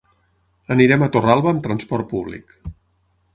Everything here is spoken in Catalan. Anirem a Torralba amb transport públic.